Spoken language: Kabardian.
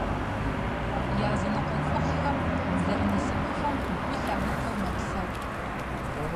Языныкъуэ цӏыхухэм зэрынасыпыфӏэм гу лъамытэу мэпсэу.